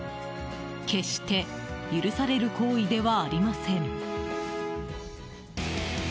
決して許される行為ではありません。